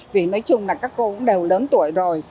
vì nói chung là các cô cũng đều lớn tuổi rồi